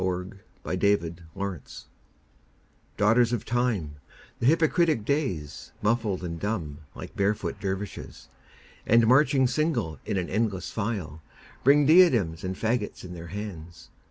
Ralph Waldo Emerson Days DAUGHTERS of Time, the hypocritic Days, Muffled and dumb like barefoot dervishes, And marching single in an endless file, Bring diadems and faggots in their hands.